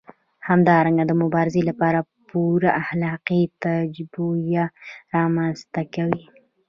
همدارنګه د مبارزې لپاره پوره اخلاقي توجیه رامنځته کوي.